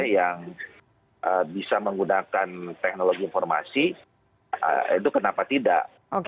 yang bisa menggunakan teknologi informasi itu kenapa tidak